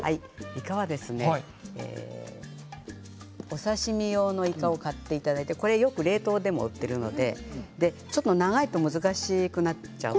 いかは、お刺身用のいかを買っていただいて冷凍でもよく売っているので長いと難しくなってしまうので。